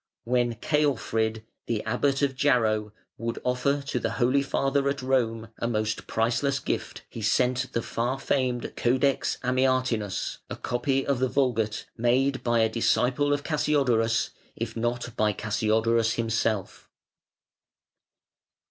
When Ceolfrid, the Abbot of Jarrow, would offer to the Holy Father at Rome a most priceless gift, he sent the far famed Codex Amiatinus, a copy of the Vulgate, made by a disciple of Cassiodorus, if not by Cassiodorus himself.